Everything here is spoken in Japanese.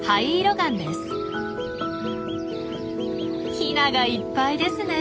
ヒナがいっぱいですねえ。